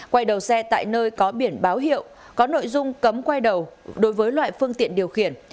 quay đầu xe tại nơi có biển báo hiệu có nội dung cấm quay đầu đối với loại phương tiện điều khiển